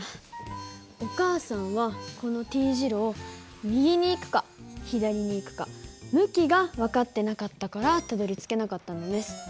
お母さんはこのＴ字路を右に行くか左に行くか向きが分かってなかったからたどりつけなかったんだね。